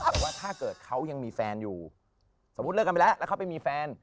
แต่ว่าถ้าเกิดเขายังมีแฟนอยู่สมมุติเลิกกันไปแล้วแล้วเขาไปมีแฟน